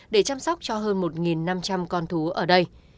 để chăm sóc cho hơn một năm trăm linh con thú ở đây